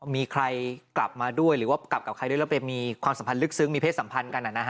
มีใครกลับมาด้วยหรือว่ากลับกับใครด้วยแล้วไปมีความสัมพันธ์ลึกซึ้งมีเพศสัมพันธ์กัน